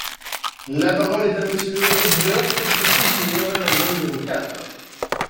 La parole est à Monsieur Éric Woerth, pour soutenir l’amendement numéro quatre.